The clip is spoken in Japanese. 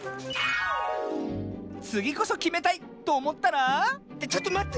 つぎこそきめたい！とおもったらちょっとまって。